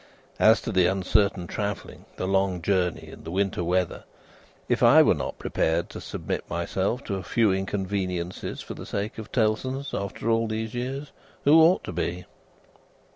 As to the uncertain travelling, the long journey, and the winter weather, if I were not prepared to submit myself to a few inconveniences for the sake of Tellson's, after all these years, who ought to be?"